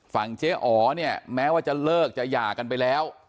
ฝั่งเจ๊อ๋อเนี่ยแม้ว่าจะเลิกจะหย่ากันไปแล้ว